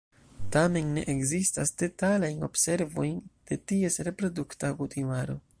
Tamen ne ekzistas detalajn observojn de ties reprodukta kutimaro.